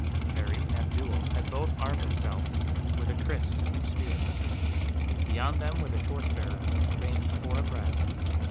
Harry and Abdool had both armed themselves with a kris and spear. Behind them were the torch bearers, arranged four abreast.